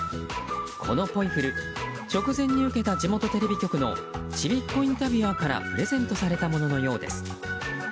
このポイフル直前に受けた地元テレビ局のちびっこインタビュアーからプレゼントされたもののようです。